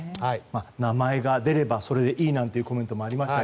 名前が出ればそれでいいというコメントもありました。